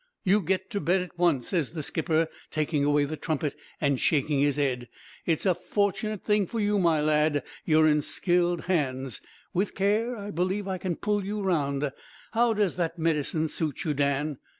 "'You get to bed at once,' says the skipper, taking away the trumpet, an' shaking his 'ed. 'It's a fortunate thing for you, my lad, you're in skilled hands. With care, I believe I can pull you round. How does that medicine suit you, Dan?'